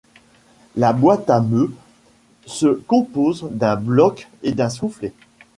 La boîte à meuh se compose d’un bloc et d’un soufflet.